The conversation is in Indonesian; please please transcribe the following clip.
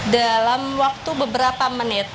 dalam waktu beberapa menit